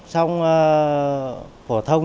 xong phổ thông